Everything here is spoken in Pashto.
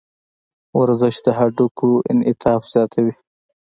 ورزش د هډوکو انعطاف زیاتوي.